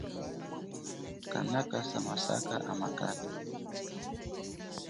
Kana kasa masaka amakala.